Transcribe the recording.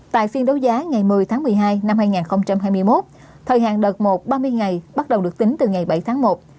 tại phiên đấu giá ngày một mươi tháng một mươi hai năm hai nghìn hai mươi một thời hạn đợt một ba mươi ngày bắt đầu được tính từ ngày bảy tháng một